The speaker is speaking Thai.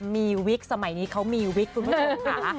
มีวิกสมัยนี้เขามีวิกคุณผู้ชมค่ะ